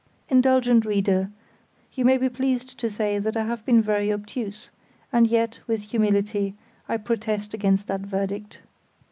Indulgent reader, you may be pleased to say that I have been very obtuse; and yet, with humility, I protest against that verdict.